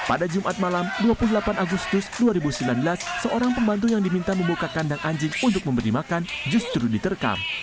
pada jumat malam dua puluh delapan agustus dua ribu sembilan belas seorang pembantu yang diminta membuka kandang anjing untuk memberi makan justru diterkam